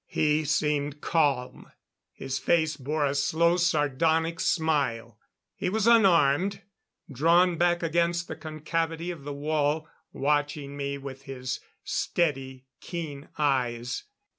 He seemed calm; his face bore a slow sardonic smile; he was unarmed, drawn back against the concavity of the wall, watching me with his steady, keen eyes.